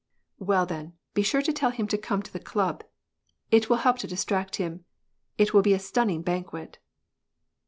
Well then, be sure to tell him to come to the club. It acKi help to distract him. It will be a stunning banquet